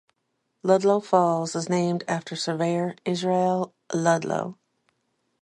Ludlow Falls is named after surveyor Israel Ludlow.